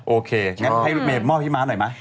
โอเคงั้นให้เมฆมอบพี่ม้าหน่อยมั้ย